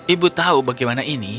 ibu tahu bagaimana ini